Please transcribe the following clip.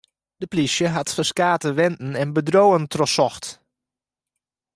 De polysje hat ferskate wenten en bedriuwen trochsocht.